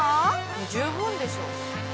十分でしょう。